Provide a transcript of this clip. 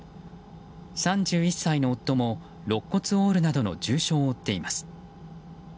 ３１歳の夫もろっ骨を折るなどの重傷を負っています。